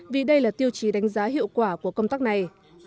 vì đây là tiêu chí đánh giá hiệu quả của công tác này